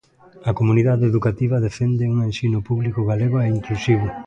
A comunidade educativa defende un ensino público, galego e inclusivo.